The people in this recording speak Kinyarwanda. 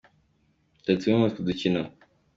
Dore tumwe muri utwo dukino :.